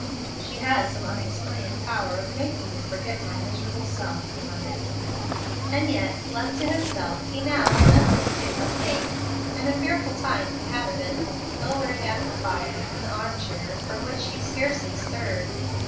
"She has some unexplained power of making me forget my miserable self," he muttered. And yet, left to himself, he had now nothing to do but think, and a fearful time he had of it, lowering at the fire, in the arm chair, from which he scarcely stirred.